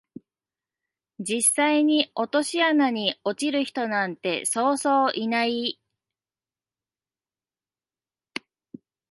実際に落とし穴に落ちる人なんてそうそういない